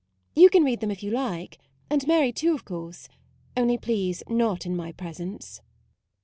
You can read them if you like, and Mary too, of course; only please not in my presence."